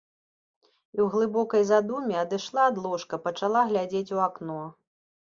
І ў глыбокай задуме адышла ад ложка, пачала глядзець у акно.